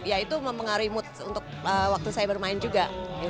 ya itu mempengaruhi mood untuk waktu saya bermain juga